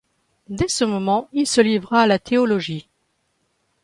Dès ce moment, il se livra à la théologie.